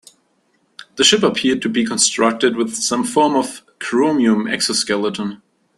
The ship appeared to be constructed with some form of chromium exoskeleton.